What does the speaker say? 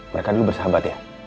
mereka dulu bersahabat ya